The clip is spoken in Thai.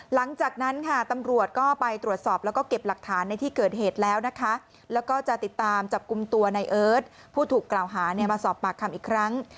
หลังจากนั้นค่ะตำรวจก็ไปตรวจสอบแล้วก็เก็บหลักฐานในที่เกิดเหตุแล้วนะคะแล้วก็จะติดตามจับกลุ่มตัวในเอิร์ทผู้ถูกกล่าวหาเนี่ยมาสอบปากคำอีกครั้ง